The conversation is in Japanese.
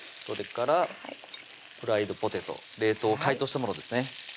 それからフライドポテト冷凍を解凍したものですね